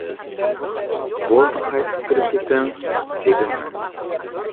-بولدى، قايتىپ كىرىپ كېتىڭ، -دېدىم مەن.